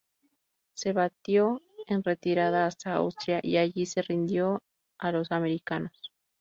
Se batió en retirada hasta Austria y allí se rindió a los americanos.